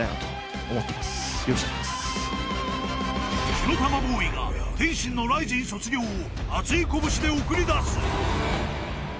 ［火の玉ボーイが天心のＲＩＺＩＮ卒業を熱い拳で送り出す！］